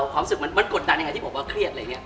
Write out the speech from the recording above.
ความสุขมันกดดันยังไงที่บอกว่าเครียด